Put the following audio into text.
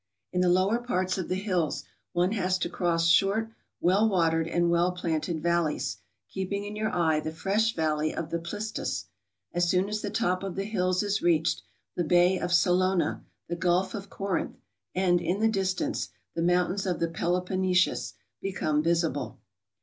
In the lower parts of the hills one has to cross short well watered and well planted valleys, keeping in your eye the fresh valley of the Plistus. As soon as the top of the hills is reached, the bay of Salona, the gulf of Corinth, and in the distance the mountains of the Peloponnesus, become visible.